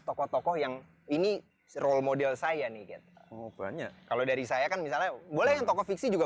tokoh tokoh yang ini role model saya nih kalau dari saya kan misalnya boleh yang tokoh fiksi juga